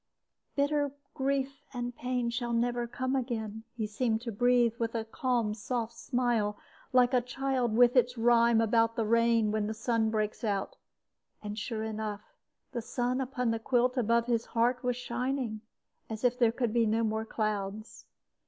"'Bitter grief and pain shall never come again,' he seemed to breathe, with a calm, soft smile, like a child with its rhyme about the rain when the sun breaks out; and sure enough, the sun upon the quilt above his heart was shining, as if there could be no more clouds.